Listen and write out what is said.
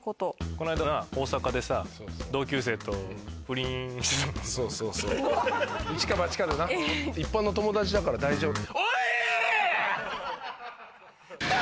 この間、大阪でさ、同級生とそうそう、一般の友達だから大丈夫。